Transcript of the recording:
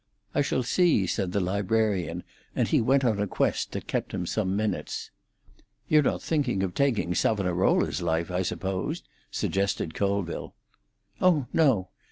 "I shall see," said the librarian, and he went upon a quest that kept him some minutes. "You're not thinking of taking Savonarola's life, I suppose?" suggested Colville. "Oh no.